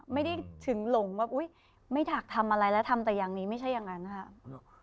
ไม่ได้ถึงหลงว่าอุ๊ยไม่อยากทำอะไรแล้วทำแต่อย่างนี้ไม่ใช่อย่างนั้นนะคะ